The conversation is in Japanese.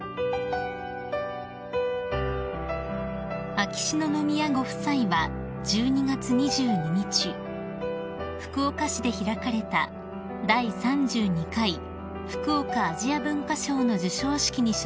［秋篠宮ご夫妻は１２月２２日福岡市で開かれた第３２回福岡アジア文化賞の授賞式に出席されました］